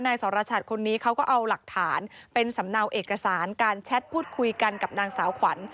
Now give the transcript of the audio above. สรชัดคนนี้เขาก็เอาหลักฐานเป็นสำเนาเอกสารการแชทพูดคุยกันกับนางสาวขวัญ